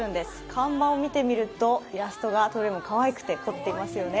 看板を見てみると、イラストがどれもかわいくて、凝ってますよね。